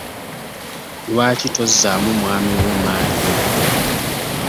Lwaki tozaamu mwami wo manyi?